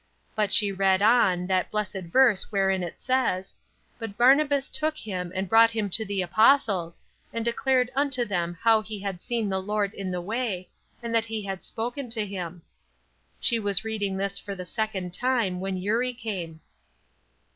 But she read on, that blessed verse wherein it says: "But Barnabas took him, and brought him to the apostles, and declared unto them how he had seen the Lord in the way, and that he had spoken to him." She was reading this for the second time, when Eurie came.